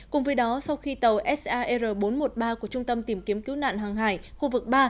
cùng với đó sau khi tàu sar bốn trăm một mươi ba của trung tâm tìm kiếm cứu nạn hàng hải khu vực ba